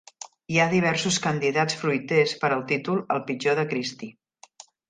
Hi ha diversos candidats fruiters per al títol 'el pitjor de Christie'.